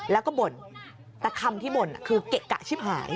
แล้วก็บ่นแต่คำที่บ่นคือเกะกะชิบหาย